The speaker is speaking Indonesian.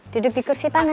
duduk di kursi panas